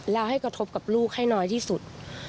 แล้วให้กระทบกับลูกให้น้อยที่สุด